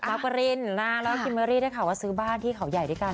วรินนะแล้วก็คิมเมอรี่ได้ข่าวว่าซื้อบ้านที่เขาใหญ่ด้วยกัน